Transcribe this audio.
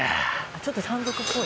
ちょっと山賊っぽい。